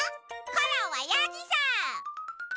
コロンはヤギさん。